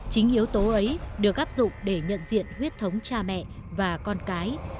chính yếu tố ấy được áp dụng để nhận diện huyết thống cha mẹ và con cái